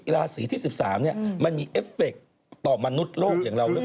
ราศรีที่๑๓เนี่ยมันมีเอฟเฟคต่อมนุษย์โลกด้วยหรือเปล่า